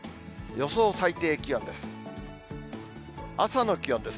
予想最低気温です。